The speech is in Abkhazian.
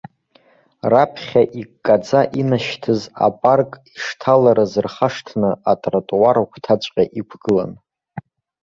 Раԥхьа иккаӡа инашьҭыз апарк ишҭаларыз рхашҭны, атротуар агәҭаҵәҟьа иқәгылан.